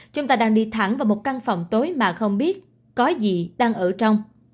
chúng ta đang đi thẳng vào một căn phòng tối mà không biết có gì đang ở trong